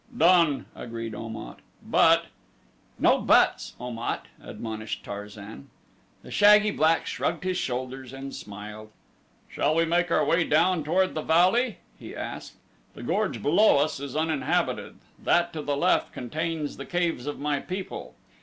"Done!" agreed Om at, "but " "No 'buts,' Om at," admonished Tarzan. The shaggy black shrugged his shoulders and smiled. "Shall we make our way down toward the valley?" he asked. "The gorge below us is uninhabited; that to the left contains the caves of my people.